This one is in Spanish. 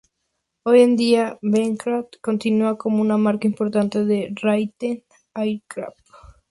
Hoy en día, Beechcraft continúa como una marca importante de Raytheon Aircraft.